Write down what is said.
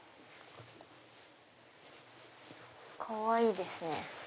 かわいいですね。